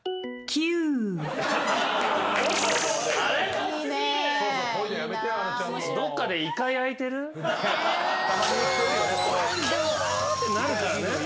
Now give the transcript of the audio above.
「きゅうう！」ってなるからね。